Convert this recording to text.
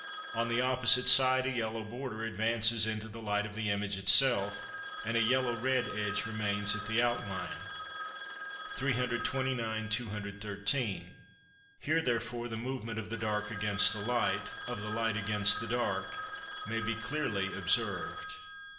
On the opposite side a yellow border advances into the light of the image itself, and a yellow red edge remains at the outline. 329 (213). Here, therefore, the movement of the dark against the light, of the light against the dark, may be clearly observed.